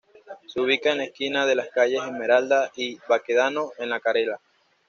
Se ubica en la esquina de las calles Esmeralda y Baquedano, en La Calera.